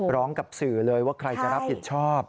ร้องกับสื่อเลยว่าใครจะรับผิดชอบ